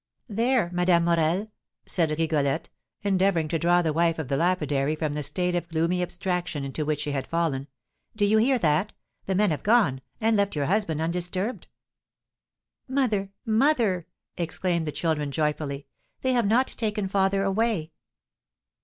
"There, Madame Morel!" said Rigolette, endeavouring to draw the wife of the lapidary from the state of gloomy abstraction into which she had fallen, "do you hear that? The men have gone, and left your husband undisturbed." "Mother! mother!" exclaimed the children, joyfully, "they have not taken father away!"